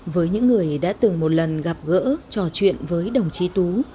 với những người đã từng một lần gặp gỡ trò chuyện với đồng chí tú